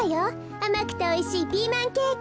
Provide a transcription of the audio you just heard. あまくておいしいピーマンケーキ。